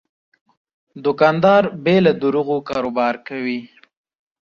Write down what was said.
دوکاندار بې له دروغو کاروبار کوي.